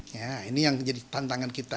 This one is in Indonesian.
nah ini yang menjadi tantangan kita